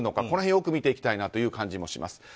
この辺、よく見ていきたいという感じがします。